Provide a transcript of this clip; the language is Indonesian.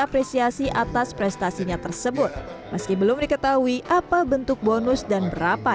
apresiasi atas prestasinya tersebut meski belum diketahui apa bentuk bonus dan berapa